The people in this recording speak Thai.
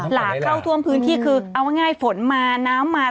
หลากเข้าท่วมพื้นที่คือเอาง่ายฝนมาน้ำมา